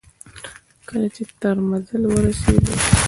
کله چې تر منزل ورسېدو.